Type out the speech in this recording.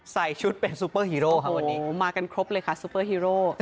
ใส่ชุดเป็นซูเปอร์ฮีโร่ค่ะวันนี้มากันครบเลยค่ะซูเปอร์ฮีโร่